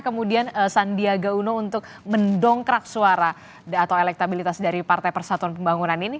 kemudian sandiaga uno untuk mendongkrak suara atau elektabilitas dari partai persatuan pembangunan ini